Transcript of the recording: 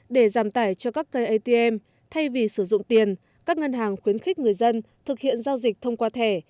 để giảm tải cho các cây atm thay vì sử dụng tiền các ngân hàng khuyến khích người dân thực hiện giao dịch thông qua thẻ